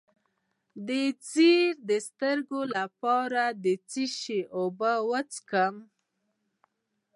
د زیړي د سترګو لپاره د څه شي اوبه وڅښم؟